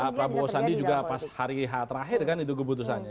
pak prabowo sandi juga pas hari h terakhir kan itu keputusannya